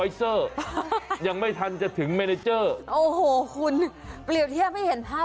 อีกนิดหนึ่งแค่ยังไม่ทันจะถึงโอ้โหคุณเปรียบเทียบให้เห็นภาพ